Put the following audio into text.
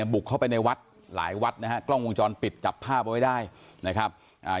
บุกเข้าไปในวัดหลายวัดนะฮะกล้องวงจรปิดจับผ้าไปไว้ได้